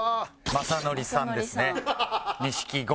雅紀さんですね錦鯉。